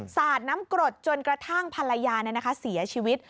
สาดน้ำกรดจนกระทั่งภรรยาเสียชีวิต